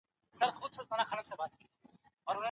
ژوند يو خوب دی خو رشتيا کېږي.